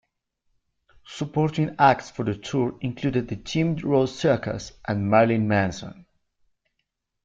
Supporting acts for the tour included The Jim Rose Circus and Marilyn Manson.